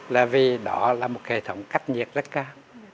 là vì đó là một hệ thống cách nhiệt rất cao